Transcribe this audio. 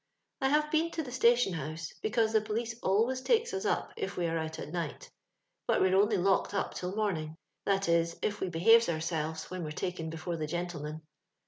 " I have been to the station house, because the police always takes us up if we are out at night; but we're only locked up lall morning, — that is, if we behaves ourselves when we're taken before the gentleman.